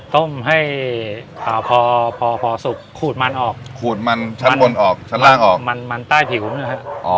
ต้มให้พอพอสุกขูดมันออกขูดมันชั้นบนออกชั้นล่างออกมันมันใต้ผิวนะครับ